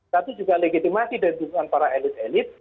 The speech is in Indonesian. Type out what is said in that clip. satu juga legitimasi dan dukungan para elit elit